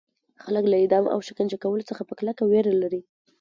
خلک له اعدام او شکنجه کولو څخه په کلکه ویره لري.